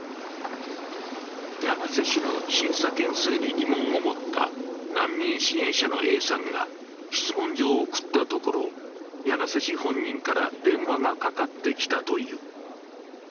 柳瀬氏の審査件数に疑問を持った難民支援者のＡさんが質問状を送ったところ柳瀬氏本人から電話がかかってきたという。